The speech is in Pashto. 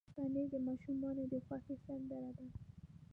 پنېر د ماشومانو د خوښې سندره ده.